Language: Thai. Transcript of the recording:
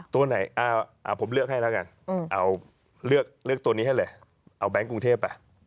ตัวไหนผมเลือกให้แล้วกันเอาเลือกตัวนี้ให้เลยเอาแก๊งกรุงเทพไป